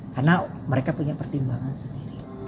karena mereka punya pertimbangan sendiri